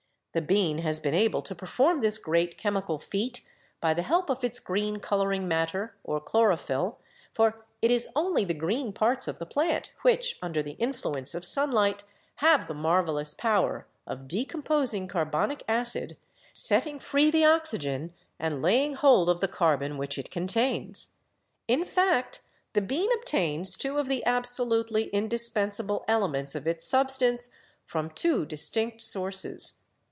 "The bean has been able to perform this great chemical feat by the help of its green coloring matter, or chloro phyll, for it is only the green parts of the plant which, under the influence of sunlight, have the marvelous power of decomposing carbonic acid, setting free the oxygen and laying hold of the carbon which it contains. In fact, the bean obtains two of the absolutely indispensable elements of its substance from two distinct sources.